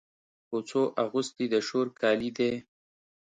کوڅو اغوستي د شور کالي دی